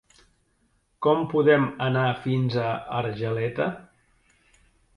Com podem anar fins a Argeleta?